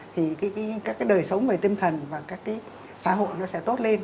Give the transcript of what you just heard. thì cái đời sống về tâm thần và các cái xã hội nó sẽ tốt lên